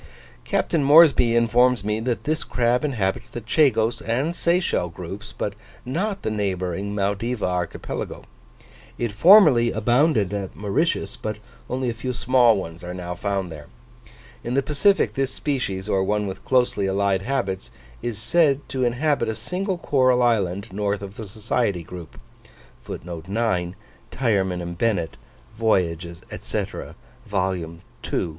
Captain Moresby informs me that this crab inhabits the Chagos and Seychelle groups, but not the neighbouring Maldiva archipelago. It formerly abounded at Mauritius, but only a few small ones are now found there. In the Pacific, this species, or one with closely allied habits, is said to inhabit a single coral island, north of the Society group.